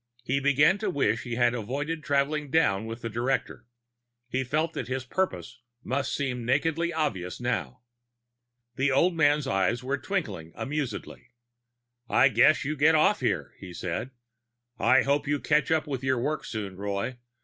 He began to wish he had avoided traveling down with the director. He felt that his purpose must seem nakedly obvious now. The old man's eyes were twinkling amusedly. "I guess you get off here," he said. "I hope you catch up with your work soon, Roy.